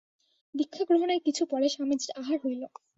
দীক্ষাগ্রহণের কিছু পরে স্বামীজীর আহার হইল।